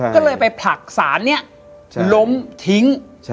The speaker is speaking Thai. ก็เลยไปผลักสารนี้ล้มทิ้ง